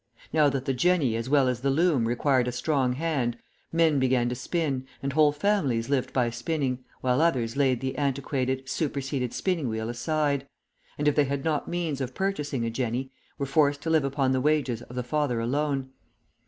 Now that the jenny as well as the loom required a strong hand, men began to spin, and whole families lived by spinning, while others laid the antiquated, superseded spinning wheel aside; and, if they had not means of purchasing a jenny, were forced to live upon the wages of the father alone.